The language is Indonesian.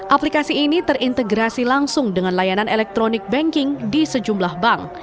aplikasi ini terintegrasi langsung dengan layanan elektronik banking di sejumlah bank